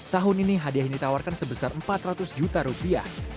tahun ini hadiah ini ditawarkan sebesar empat ratus juta rupiah